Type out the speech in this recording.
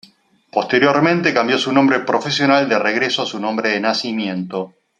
Posteriormente cambió su nombre profesional de regreso a su nombre de nacimiento.